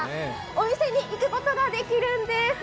お店に行くことができるんです。